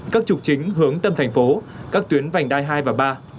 các trục chính hướng tâm thành phố các tuyến vành đai hai và ba